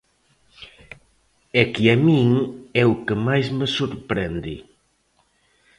É que a min é o que máis me sorprende.